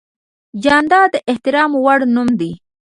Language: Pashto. جانداد د احترام وړ نوم دی.